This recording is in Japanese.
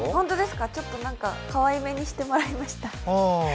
ちょっとかわいめにしてもらいました。